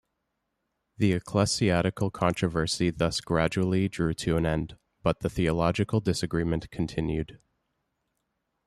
The ecclesiastical controversy thus gradually drew to an end, but theological disagreement continued.